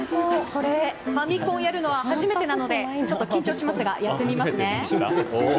ファミコンをやるのは初めてなのでちょっと緊張しますがやってみますね。